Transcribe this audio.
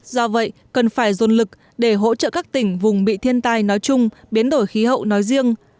do vậy cần phải dồn lực để hỗ trợ các tỉnh vùng bị thiên tai nói chung biến đổi khí hậu nói riêng